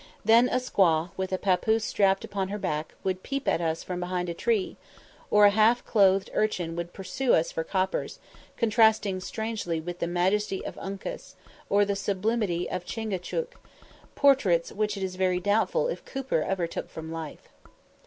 Then a squaw, with a papoose strapped upon her back, would peep at us from behind a tree; or a half clothed urchin would pursue us for coppers, contrasting strangely with the majesty of Uncas, or the sublimity of Chingachgook; portraits which it is very doubtful if Cooper ever took from life.